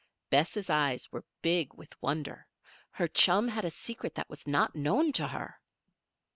Bess' eyes were big with wonder. Her chum had a secret that was not known to her!